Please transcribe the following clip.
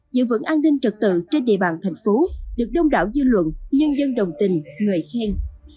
giữ vững an ninh trật tự trên địa bàn thành phố được đông đảo dư luận nhân dân đồng tình người khen